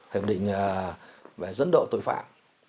hiệp định dẫn độ tội phạm